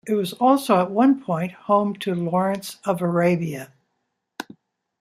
It was also at one point home to Lawrence of Arabia.